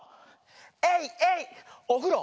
エイエイおふろ。